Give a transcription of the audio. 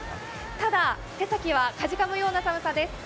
ただ手先はかじかむような寒さです。